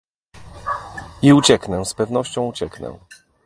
"I ucieknę, z pewnością ucieknę."